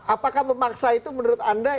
apakah memaksa itu menurut anda